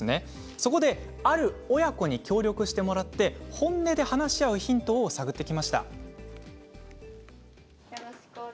そこである親子に協力してもらって本音で話し合うヒントを探ってきました。